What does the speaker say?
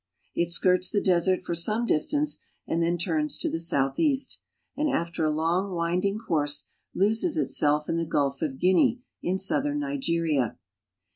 It skirts the desert for some distance and then turns to the southeast, and after 3 long, winding course ies itself in the Gulf of Guinea in southern Nigeria.